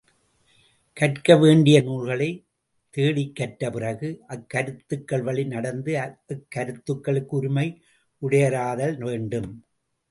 கற்க வேண்டிய நூல்களைத் தேடிக்கற்ற பிறகு அக்கருத்துக்கள் வழி நடந்து அக்கருத்துக்களுக்கு உரிமை புடையராதல் வேண்டும்.